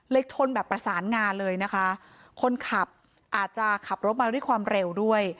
ชนแบบประสานงานเลยนะคะคนขับอาจจะขับรถมาด้วยความเร็วด้วย